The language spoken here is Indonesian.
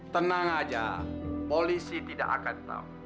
tenang aja polisi tidak akan tahu